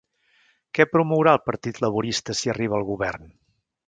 Què promourà el Partit Laborista si arriba al govern?